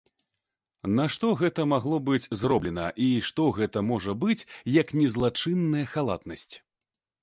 Нашто гэта магло быць зроблена, і што гэта можа быць, як не злачынная халатнасць?